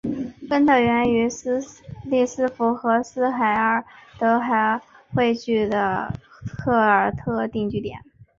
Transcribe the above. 根特源于利斯河和斯海尔德河汇合的凯尔特定居点。